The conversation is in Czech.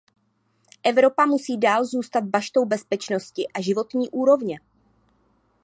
Evropa musí dál zůstat baštou bezpečnosti a životní úrovně.